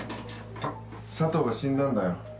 サトウが死んだんだよ。